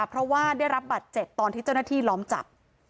เพราะว่าได้รับบัตรเจ็บตอนที่เจ้าหน้าที่ล้อมจับ